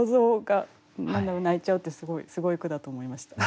泣いちゃうってすごい句だと思いました。